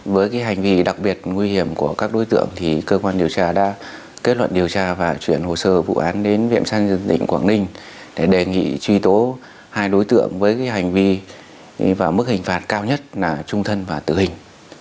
với hành vi đặc biệt nguy hiểm của các đối tượng thì cơ quan điều tra đã kết luận điều tra và chuyển hồ sơ vụ án đến viện san tỉnh quảng ninh để đề nghị truy tố hai đối tượng với hành vi và mức hình phạt cao nhất là trung thân và tử hình